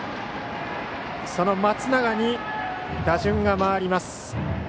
その松永に打順が回ります。